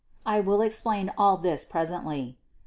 I will explain all this presently.